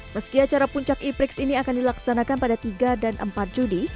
meski acara puncak e prix ini akan dilaksanakan pada tiga dan empat juni